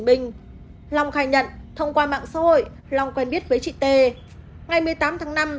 bình long khai nhận thông qua mạng xã hội long quen biết với chị t ngày một mươi tám tháng năm